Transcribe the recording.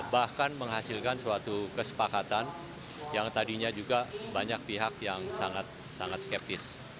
bahkan menghasilkan suatu kesepakatan yang tadinya juga banyak pihak yang sangat skeptis